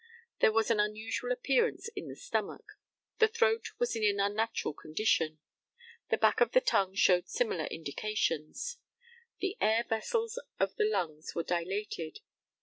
There was an unusual appearance in the stomach. The throat was in an unnatural condition. The back of the tongue showed similar indications. The air vessels of the lungs were dilated.